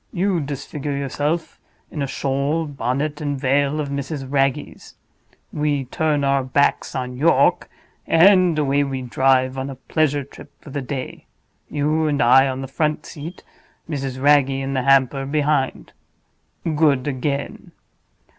You disfigure yourself in a shawl, bonnet, and veil of Mrs. Wragge's; we turn our backs on York; and away we drive on a pleasure trip for the day—you and I on the front seat, Mrs. Wragge and the hamper behind. Good again.